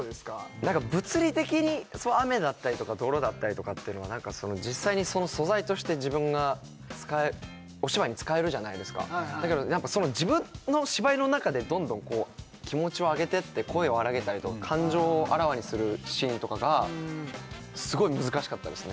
なんか物理的に雨だったりとか泥だったりとかってのは実際にその素材として自分がお芝居に使えるじゃないですかだけど自分の芝居の中でどんどん気持ちを上げてって声を荒らげたりとか感情をあらわにするシーンとかがすごい難しかったですね